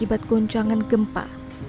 dia terus berkembang halir dengan mancangan gempa